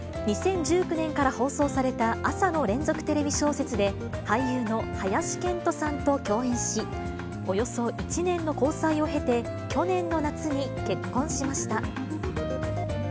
２０１９年から放送された朝の連続テレビ小説で、俳優の林遣都さんと共演し、およそ１年の交際を経て去年の夏に結婚しました。